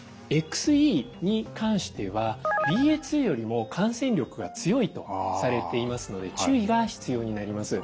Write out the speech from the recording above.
ＸＥに関してはＢＡ．２よりも感染力が強いとされていますので注意が必要になります。